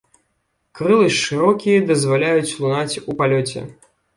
Крылы шырокія, дазваляюць лунаць у палёце.